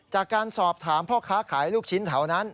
จากการสอบถามพ่อค้าขายลูกชิ้นแถวนั้น